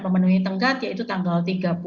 memenuhi tenggat yaitu tanggal